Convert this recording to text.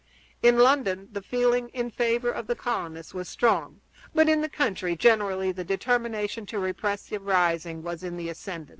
In London the feeling in favor of the colonists was strong, but in the country generally the determination to repress the rising was in the ascendant.